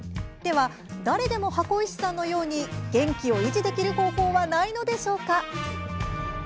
では、誰でも箱石さんのように元気を維持できる方法はないのでしょうか。